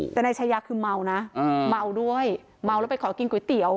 แต่นายชายาคือเมานะเมาด้วยเมาแล้วไปขอกินก๋วยเตี๋ยว